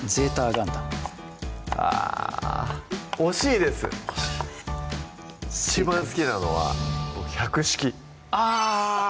ガンダムあぁ惜しいです惜しい一番好きなのは僕百式あぁ！